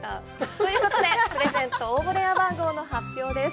ということで、プレゼント応募電話番号の発表です。